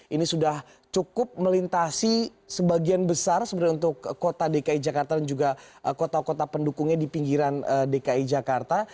ini sudah cukup melintasi sebagian besar sebenarnya untuk kota dki jakarta dan juga kota kota pendukungnya di pinggiran dki jakarta